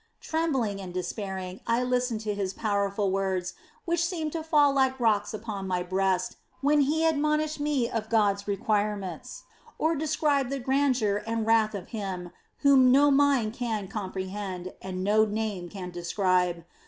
"Trembling and despairing, I listened to his powerful words, which seemed to fall like rocks upon my breast, when he admonished me of God's requirements, or described the grandeur and wrath of Him whom no mind can comprehend, and no name can describe.